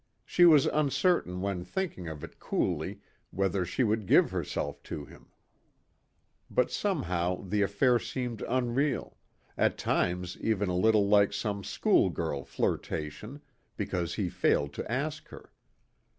She was uncertain when thinking of it coolly whether she would give herself to him. But somehow the affair seemed unreal, at times even a little like some school girl flirtation, because he failed to ask her.